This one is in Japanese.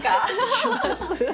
します。